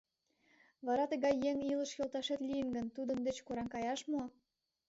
Вара тыгай еҥ илыш йолташет лийын гын, тудын деч кораҥ каяш мо?